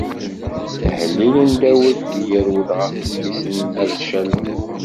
Ahellil n Dawed, mi yerwel ɣef mmi-s Abcalum.